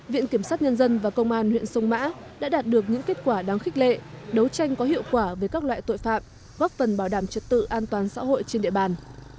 viện kiểm sát nhân dân và công an huyện sông mã đã đạt được những kết quả đáng khích lệ đấu tranh có hiệu quả với các loại tội phạm góp phần bảo đảm trật tự an toàn xã hội trên địa bàn